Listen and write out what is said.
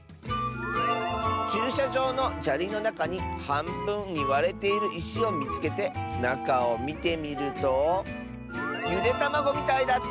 「ちゅうしゃじょうのじゃりのなかにはんぶんにわれているいしをみつけてなかをみてみるとゆでたまごみたいだった！」。